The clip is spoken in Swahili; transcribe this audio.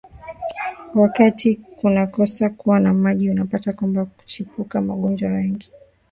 wakati kunakosa kuwa na maji unapata kwamba kuchipuka magonjwa mengi